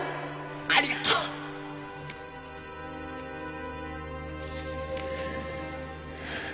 ありがとう！はあ。